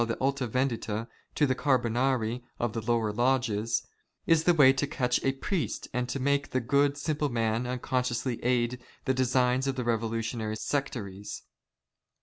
Another curious instruction given by the Alta Vendita to the Carbonari of the lower lodges, is the way to catch a priest and make the good, simple man, unconsciously aid the designs of the revolutionary sectaries.